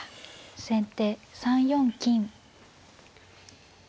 先手３四金。